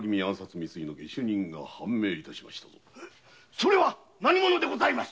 それは何者でございます